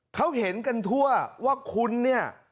เขาเห็นกันทั่วว่าคุณเนี่ย